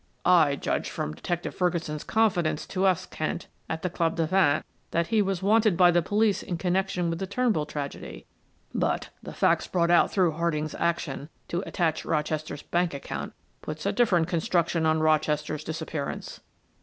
"I judged from Detective Ferguson's confidences to us, Kent, at the Club de Vingt that he was wanted by the police in connection with the Turnbull tragedy, but the facts brought out through Harding's action to attach Rochester's bank account, puts a different construction on Rochester's disappearance."